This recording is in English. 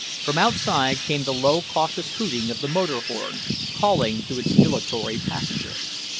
From outside came the low, cautious hooting of the motor horn, calling to its dilatory passenger.